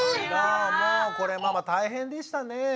もうこれママ大変でしたねえ。